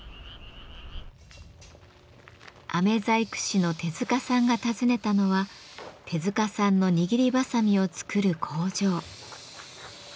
飴細工師の手塚さんが訪ねたのは手塚さんの握りばさみを作る工場。